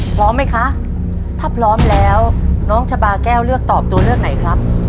พร้อมไหมคะถ้าพร้อมแล้วน้องชะบาแก้วเลือกตอบตัวเลือกไหนครับ